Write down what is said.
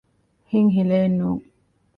ހިތް ހިލައެއް ނޫން